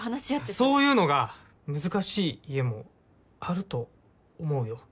そういうのが難しい家もあると思うよ。